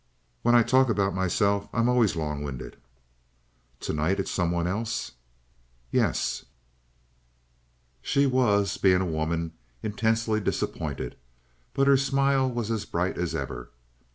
"When I talk about myself, I'm always long winded." "Tonight it's someone else?" "Yes." She was, being a woman, intensely disappointed, but her smile was as bright as ever.